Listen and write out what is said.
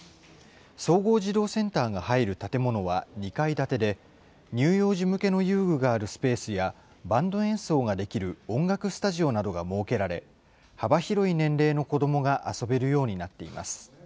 総合児童センターが入る建物は２階建てで、乳幼児向けの遊具があるスペースや、バンド演奏ができる音楽スタジオなどが設けられ、幅広い年齢の子どもが遊べるようになっています。